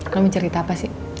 lo mau cerita apa sih